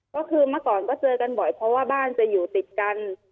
ก็คือเมื่อก่อนก็เจอกันบ่อยเพราะว่าบ้านจะอยู่ติดกัน